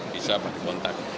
bisa apa di kontak